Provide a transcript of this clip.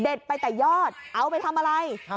ไปแต่ยอดเอาไปทำอะไร